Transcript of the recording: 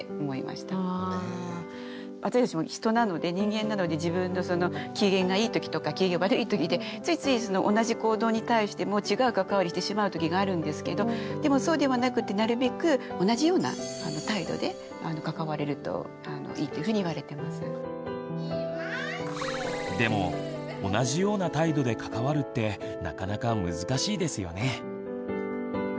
私たちも人なので人間なので自分のその機嫌がいいときとか機嫌が悪いときでついつい同じ行動に対しても違う関わりしてしまうときがあるんですけどでもそうではなくてなるべくでも同じような態度で関わるってなかなか難しいですよね？